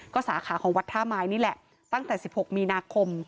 ก็สาขาของวัดท่าไม้นี่แหละตั้งแต่๑๖มีนาคม